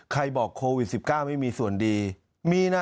บอกโควิด๑๙ไม่มีส่วนดีมีนะ